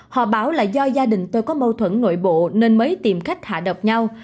họ bảo là do gia đình tôi có mâu thuẫn nội bộ nên mới tìm cách hạ độc nhau